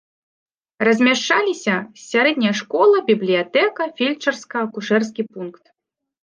Размяшчаліся сярэдняя школа, бібліятэка, фельчарска-акушэрскі пункт.